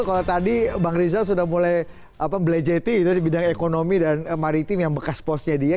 kalau tadi bang rizal sudah mulai belajeti itu di bidang ekonomi dan maritim yang bekas posnya dia